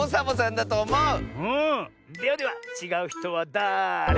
ではでは「ちがうひとはだれ？」